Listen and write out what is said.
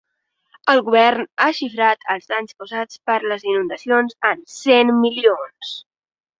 El govern ha xifrat els danys causats per les inundacions en cent milions.